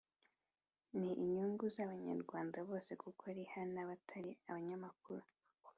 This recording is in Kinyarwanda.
ni inyungu z’Abanyarwanda bose kuko riha n’abatari abanyamakuru